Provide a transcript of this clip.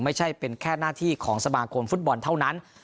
ไม่ใช่เป็นแค่หน้าที่ของสมาคมฟุตบอลเท่านั้น